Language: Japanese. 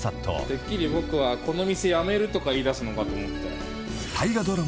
てっきり僕はこの店やめるとか言いだすのかと思って。